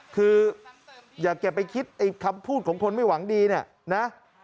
คืออย่าไปคิดคำพูดของคนไม่หวังดีนะ